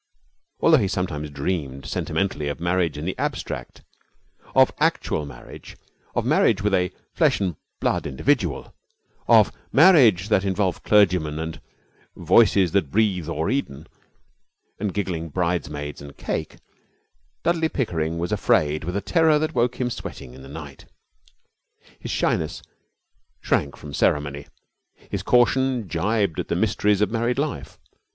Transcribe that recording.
Although he sometimes dreamed sentimentally of marriage in the abstract, of actual marriage, of marriage with a flesh and blood individual, of marriage that involved clergymen and 'Voices that Breathe o'er Eden,' and giggling bridesmaids and cake, Dudley Pickering was afraid with a terror that woke him sweating in the night. His shyness shrank from the ceremony, his caution jibbed at the mysteries of married life.